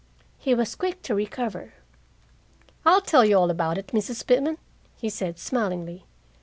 He was quick to recover. "I'll tell you all about it, Mrs. Pitman," he said smilingly.